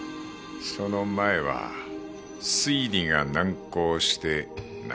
その前は推理が難航して悩んでいる。